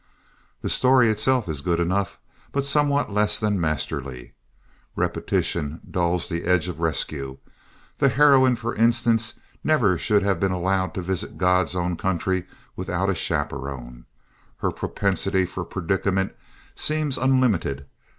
The story itself is good enough, but somewhat less than masterly. Repetition dulls the edge of rescue. The heroine, for instance, never should have been allowed to visit God's own country without a chaperon. Her propensity for predicament seems unlimited.